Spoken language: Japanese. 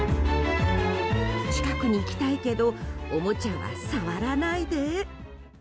近くに来たいけどおもちゃは触らないで。